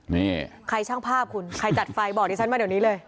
นี่ใครช่างภาพคุณใครจัดไฟบอกดิฉันมาเดี๋ยวนี้เลย